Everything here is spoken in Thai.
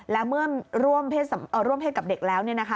แล้วเมื่อร่วมเพศกับเด็กแล้วเนี่ยนะคะ